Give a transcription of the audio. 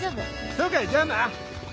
そうかいじゃあな。